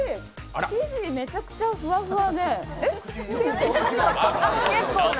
生地がめちゃくちゃふわふわでえっ？